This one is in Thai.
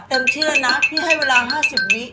เต็มทิศละนะที่ให้เวลา๕๐วิ